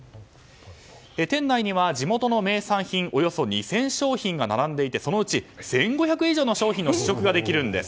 店内には、地元の名産品およそ２０００商品が並んでいてそのうち１５００以上の商品の試食ができるんです。